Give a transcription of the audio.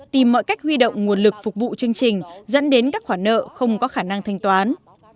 tìm mọi cách huy động nguồn lực phục vụ chương trình dẫn đến các khoản nợ không có khả năng thanh toán